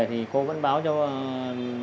thì cô vẫn báo cho các đối tượng